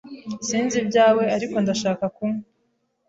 Sinzi ibyawe, ariko ndashaka kunywa.